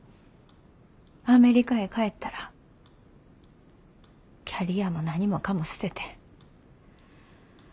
アメリカへ帰ったらキャリアも何もかも捨てて。